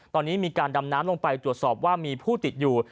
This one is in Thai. ตอนนี้มีการดำน้ำลงไปตรวจสอบว่ามีผู้ติดอยู่